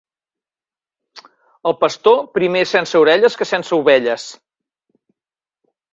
El pastor, primer sense orelles que sense ovelles.